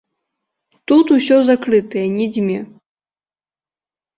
Тут усё закрытае, не дзьме.